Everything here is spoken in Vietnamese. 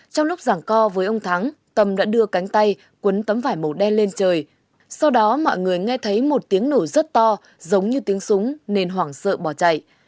trong lúc giảng co với ông thắng tâm đã đưa cánh tay cuốn tấm vải màu đen lên trời sau đó mọi người nghe thấy một tiếng nổ rất to giống như tiếng súng nên hoảng sợ bỏ chạy